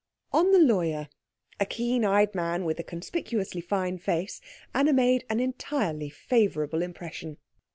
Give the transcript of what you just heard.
On the lawyer, a keen eyed man with a conspicuously fine face, Anna made an entirely favourable impression.